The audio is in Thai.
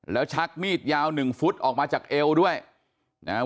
แล้วชักมีดยาวหนึ่งฟุตออกมาจากเอวด้วยนะฮะ